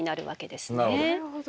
なるほど。